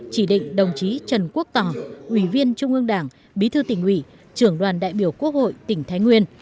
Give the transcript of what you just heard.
chỉ định đồng chí trần quốc tỏ ủy viên trung ương đảng bí thư tỉnh ủy trưởng đoàn đại biểu quốc hội tỉnh thái nguyên